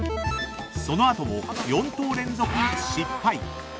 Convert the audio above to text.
［その後も４投連続失敗］